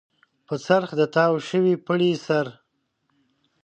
پر څرخ د تاو شوي پړي سر.